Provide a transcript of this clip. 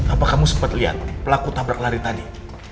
apa kamu sempat lihat pelaku tabrak lari tadi